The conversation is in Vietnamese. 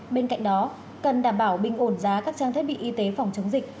bên cạnh đó cần đảm bảo bình ổn giá các trang thiết bị y tế phòng chống dịch